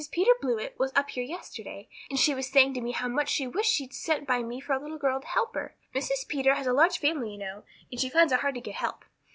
Peter Blewett was up here yesterday, and she was saying to me how much she wished she'd sent by me for a little girl to help her. Mrs. Peter has a large family, you know, and she finds it hard to get help.